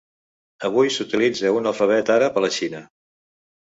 Avui s'utilitza un alfabet àrab a la Xina.